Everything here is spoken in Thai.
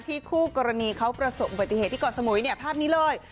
ที่คู่กรณีเขาประสงค์บัติเหตุที่เกาะสมุยภาพนี้เลย